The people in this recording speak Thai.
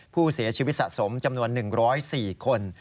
ผู้เสียชีวิตสะสมจำนวน๑๐๔คน